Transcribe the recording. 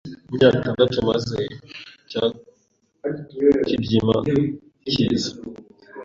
imyaka itandatu maze cya kibyima kiza